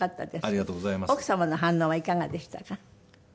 奥様の反応はいかがでしたか？